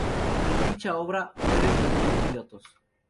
En dicha obra, mueren veintiún pilotos.